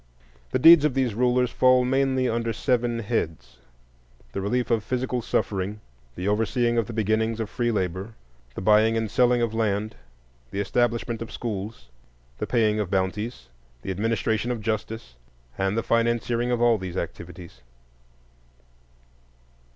The deeds of these rulers fall mainly under seven heads: the relief of physical suffering, the overseeing of the beginnings of free labor, the buying and selling of land, the establishment of schools, the paying of bounties, the administration of justice, and the financiering of all these activities.